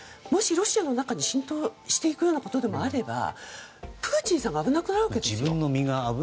もしロシアの中に浸透していくようなことがあればプーチンさんが危なくなるわけです。